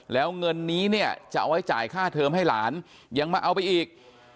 แล้วเงินนี้เนี่ยจะเอาไว้จ่ายค่าเทิมให้หลานยังมาเอาไปอีก